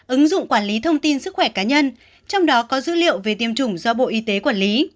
ứng dụng quản lý thông tin sức khỏe cá nhân trong đó có dữ liệu về tiêm chủng do bộ y tế quản lý